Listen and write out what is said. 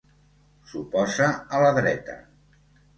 S'oposa a la dreta.